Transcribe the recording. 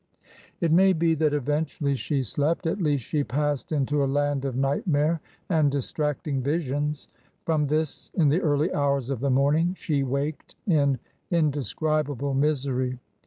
It may be that eventually she slept ; at least she passed into a land of nightmare and distracting visions. From this in the early hours of the morning she waked in in describable misery.